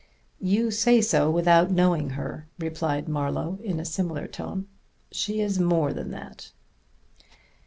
"You say so without knowing her," replied Marlowe in a similar tone. "She is more than that."